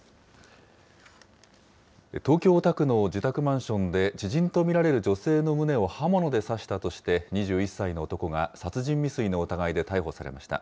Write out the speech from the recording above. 東京・大田区の自宅マンションで、知人と見られる女性の胸を刃物で刺したとして、２１歳の男が殺人未遂の疑いで逮捕されました。